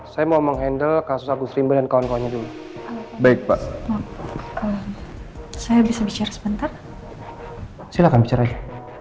sebenernya anding karisma putri itu kakak saya